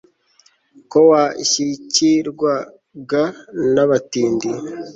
ko washyikirwaga n'abatindi